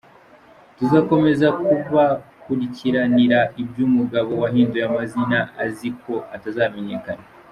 Tuzakomeza kubakurikiranira iby’uyu mugabo wahinduye amazina azi ko atazamenyekana !